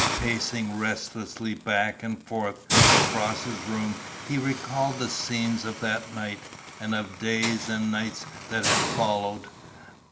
Pacing restlessly back and forth across his room, he recalled the scenes of that night, and of days and nights that had followed.